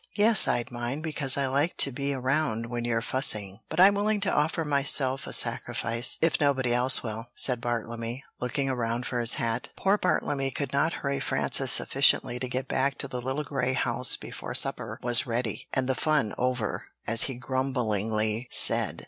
"Yes, I'd mind, because I like to be around when you're fussing, but I'm willing to offer myself a sacrifice, if nobody else will," said Bartlemy, looking around for his hat. Poor Bartlemy could not hurry Frances sufficiently to get back to the little grey house before supper was ready, and "the fun over," as he grumblingly said.